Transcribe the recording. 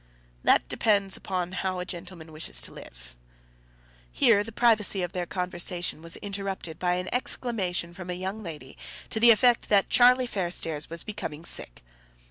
"That depends upon how a gentleman wishes to live." Here the privacy of their conversation was interrupted by an exclamation from a young lady to the effect that Charlie Fairstairs was becoming sick.